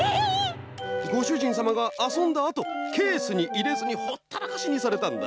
ごしゅじんさまがあそんだあとケースにいれずにほったらかしにされたんだ。